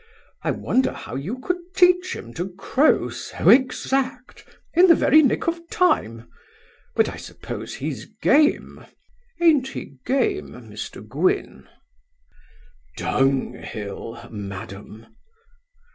I wonder how you could teach him to crow so exact, in the very nick of time; but, I suppose, he's game An't he game, Mr Gwynn?' 'Dunghill, madam.